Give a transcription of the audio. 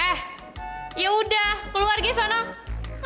eh ya udah keluar giso nol